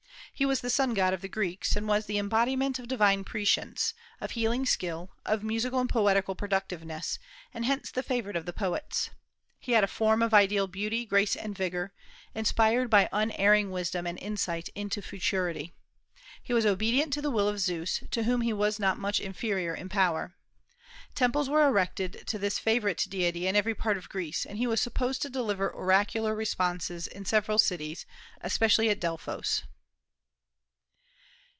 He was the sun god of the Greeks, and was the embodiment of divine prescience, of healing skill, of musical and poetical productiveness, and hence the favorite of the poets. He had a form of ideal beauty, grace, and vigor, inspired by unerring wisdom and insight into futurity. He was obedient to the will of Zeus, to whom he was not much inferior in power. Temples were erected to this favorite deity in every part of Greece, and he was supposed to deliver oracular responses in several cities, especially at Delphos.